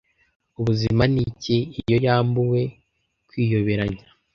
Ubuzima ni iki? Iyo yambuwe kwiyoberanya,